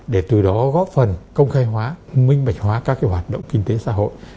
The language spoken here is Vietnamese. để từ đó góp phần công khai hóa minh bạch hóa các hoạt động kinh tế xã hội